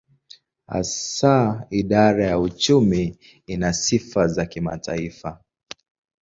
Hasa idara ya uchumi ina sifa za kimataifa.